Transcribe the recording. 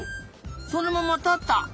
そのままたった！